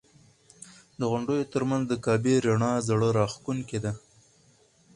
د غونډیو تر منځ د کعبې رڼا زړه راښکونکې ده.